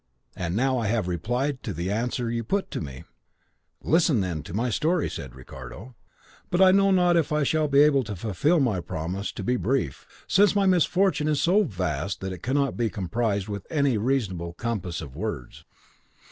And now I have replied to the question you put to me." "Listen, then, to my story," said Ricardo, "but I know not if I shall be able to fulfil my promise to be brief, since my misfortune is so vast that it cannot be comprised within any reasonable compass of words.